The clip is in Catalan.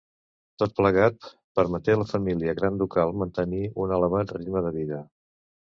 Tot plegat permeté la família gran ducal mantenir un elevat ritme de vida.